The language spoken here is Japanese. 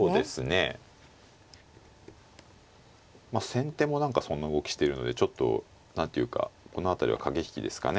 先手も何かそんな動きしてるのでちょっと何ていうかこの辺りは駆け引きですかね。